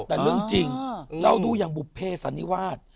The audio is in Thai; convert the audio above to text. แต่เรื่องจริงเราดูอย่างบุภเพสันนิวาส